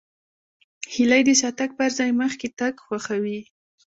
هیلۍ د شاتګ پر ځای مخکې تګ خوښوي